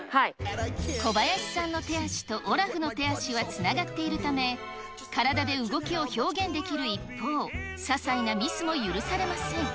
小林さんの手足とオラフの手足はつながっているため、体で動きを表現できる一方、些細なミスも許されません。